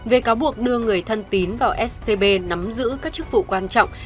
về cáo buộc đưa người thân tín vào scb nắm giữ các chức vụ quan trọng